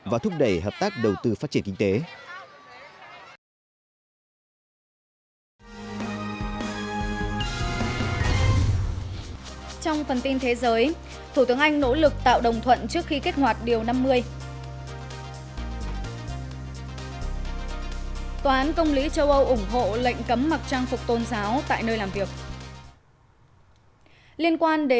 và thúc đẩy hợp tác đầu tư phát triển kinh tế